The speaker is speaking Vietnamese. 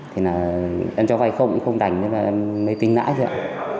thì là em cho vai không không đành em lấy tính nãi thôi ạ